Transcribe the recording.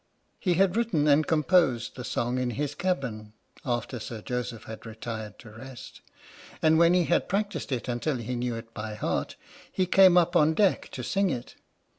He had written and composed the song in his cabin (after Sir Joseph had retired to rest) and when he had practised it until he knew it by heart, he came up on deck to sing it.